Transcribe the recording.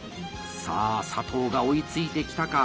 さあ佐藤が追いついてきたか！